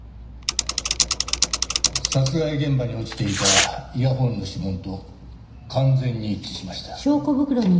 殺害現場に落ちていたイヤフォンの指紋と完全に一致しました。